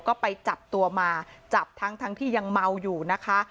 ก็ไปจับตัวมาจับทั้งที่ยังเมาอยู่นะคะ